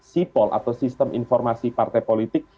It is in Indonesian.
sipol atau sistem informasi partai politik